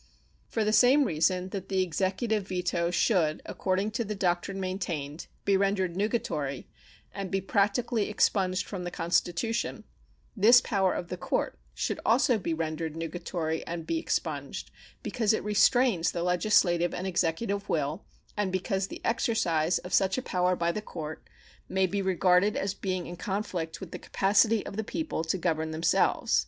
For the same reason that the Executive veto should, according to the doctrine maintained, be rendered nugatory, and be practically expunged from the Constitution, this power of the court should also be rendered nugatory and be expunged, because it restrains the legislative and Executive will, and because the exercise of such a power by the court may be regarded as being in conflict with the capacity of the people to govern themselves.